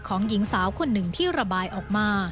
หญิงสาวคนหนึ่งที่ระบายออกมา